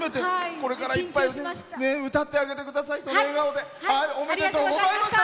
これからいっぱい歌ってあげてください。